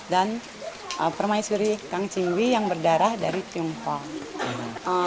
dan permaisuri kang singwi yang berdarah dari tionghoa